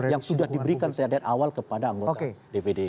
yang sudah diberikan saya dari awal kepada anggota dpd